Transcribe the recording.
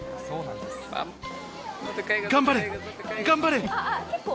頑張れ、頑張れ。